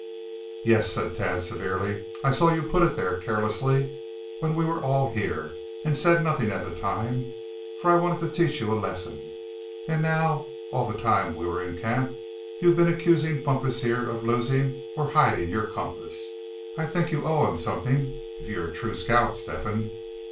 "Yes," said Thad, severely, "I saw you put it there, carelessly, when we were all here, and said nothing at the time; for I wanted to teach you a lesson. And now, all the time we were in camp, you've been accusing Bumpus here of losing, or hiding your compass. I think you owe him something, if you're a true scout, Step hen."